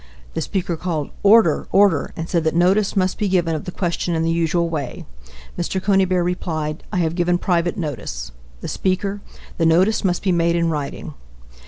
The Speaker called "Order! Order!" and said that notice must be given of the question in the usual way. Mr. Conybeare replied: "I have given private notice." The Speaker The notice must be made in writing.